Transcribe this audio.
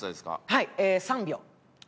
はい３秒。